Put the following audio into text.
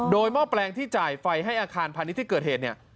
โดยเมาะแปลงที่จ่ายไฟให้อาคารพันธุ์นี้ที่เกิดเหตุ